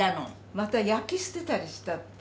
「また焼き捨てたりした」って。